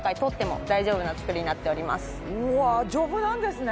うわ丈夫なんですね。